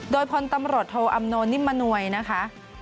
โดยพลตำรวจโทอำนวลนิมมนวยนะคะ